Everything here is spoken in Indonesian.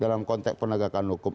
dalam konteks penegakan hukum